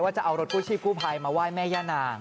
จะเอารถกู้ชีพกู้ภัยมาไหว้แม่ย่านาง